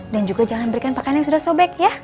dan juga jangan berikan pakaian yang sudah sobek ya